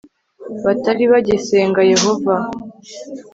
batari bagisenga yehova